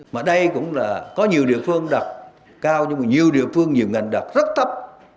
mà đây cũng là có nhiều địa phương đặt cao nhưng mà nhiều địa phương nhiều ngành đặt rất thấp